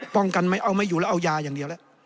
ป้องกันไม่เอาไม่อยู่แล้วเอายาอย่างเดียวแล้ว